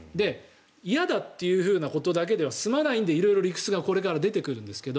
嫌だと言うことだけでは済まないので色々、理屈がこれから出てくるんですが